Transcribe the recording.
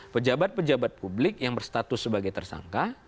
pejabat pejabat publik yang berstatus sebagai tersangka